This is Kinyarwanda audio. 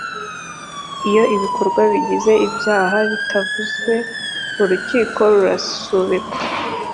Iyo ibikorwa bigize ibyaha bitavuzwe urukiko rurasubikwa